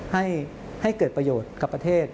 ให้เกิดประโยชน์กับประเทศ